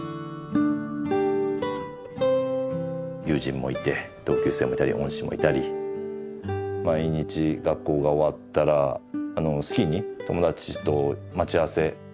友人もいて同級生もいたり恩師もいたり毎日学校が終わったらスキーに友達と待ち合わせ。